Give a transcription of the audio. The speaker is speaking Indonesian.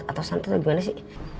atau santai gimana sih